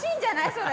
それ。